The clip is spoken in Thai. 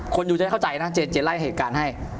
คนดูจะได้เข้าใจนะเจนไล่เหตุการณ์ให้